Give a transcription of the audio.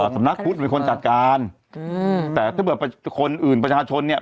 สำนักพุทธเป็นคนจัดการอืมแต่ถ้าเกิดคนอื่นประชาชนเนี่ย